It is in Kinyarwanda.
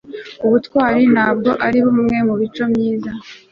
ubutwari ntabwo ari bumwe mu mico myiza